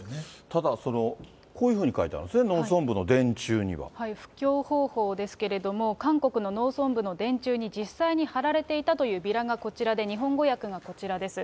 ただその、こういうふうに書いてあるんですね、布教方法ですけれども、韓国の農村部の電柱に実際に貼られていたというビラがこちらで、日本語訳がこちらです。